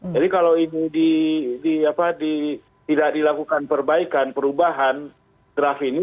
jadi kalau ini tidak dilakukan perbaikan perubahan draft ini